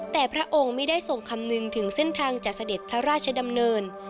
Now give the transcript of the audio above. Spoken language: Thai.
แต่พระองค์ไม่ได้ส่งคำนึงถึงเส้นทางจัดเสด็จพระราชดำเนิน